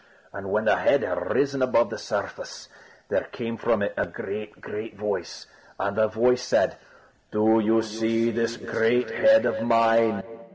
And when the head had risen above the surface, there came from it a great, great voice. And the voice said: "Do you see this great head of mine?"